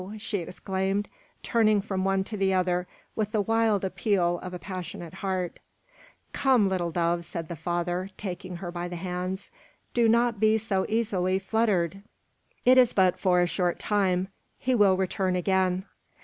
she exclaimed, turning from one to the other, with the wild appeal of a passionate heart. "Come, little dove!" said the father, taking her by the hands; "do not be so easily fluttered. It is but for a short time. He will return again."